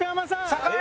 酒井？